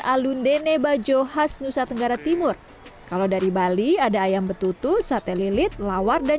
alun dene baju khas nusa tenggara timur kalau dari bali ada ayam betutu sate lilit lawar dan